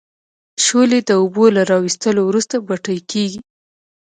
شولې د اوبو را وېستلو وروسته بټۍ کیږي.